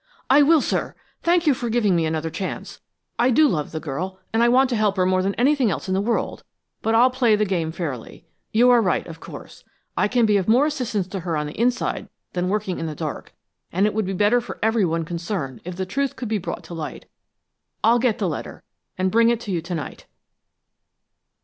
"I will, sir! Thank you for giving me another chance. I do love the girl, and I want to help her more than anything else in the world, but I'll play the game fairly. You are right, of course. I can be of more assistance to her on the inside than working in the dark, and it would be better for everyone concerned if the truth could be brought to light. I'll get the letter, and bring it to you to night."